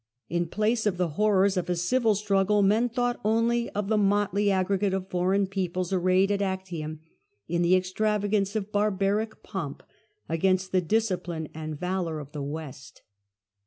In place of the horrors of a civil struggle men thought only of the motley aggregate of foreign peoples arrayed at Actium in the extravagance of barbaric pomp against the discipline and valour of the West.